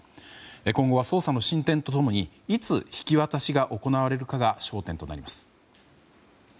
今後は捜査の進展と共にいつ引き渡しが行われるかが焦点となります。